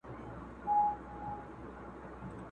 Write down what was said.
د سر په غم کي ټوله دنیا ده!